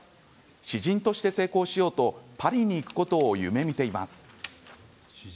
詩人として成功しようとパリに行くことを夢みています。